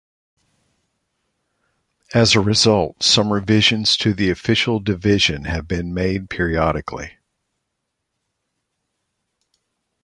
As a result, some revisions to the official division have been made periodically.